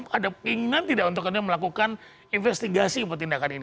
ada keinginan tidak untuk melakukan investigasi pertindakan ini